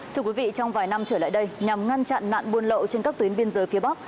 thưa quý vị trong vài năm trở lại đây nhằm ngăn chặn nạn buôn lậu trên các tuyến biên giới phía bắc